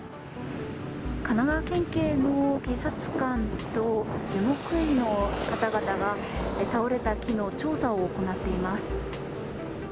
神奈川県警の警察官と樹木医の方々が倒れた木の調査を行っています。